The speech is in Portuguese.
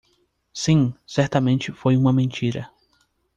Sim; Certamente foi uma mentira.